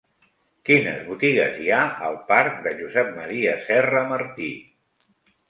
Quines botigues hi ha al parc de Josep M. Serra Martí?